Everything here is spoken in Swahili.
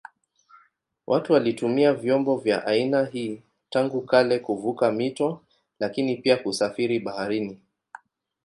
Watu walitumia vyombo vya aina hii tangu kale kuvuka mito lakini pia kusafiri baharini.